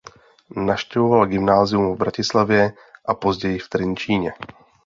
Navštěvoval gymnázium v Bratislavě a později v Trenčíně.